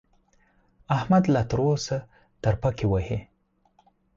احمد لا تر اوسه ترپکې وهي.